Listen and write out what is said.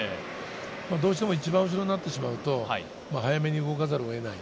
どうしても一番後ろになってしまうと早めに動かざるをえない。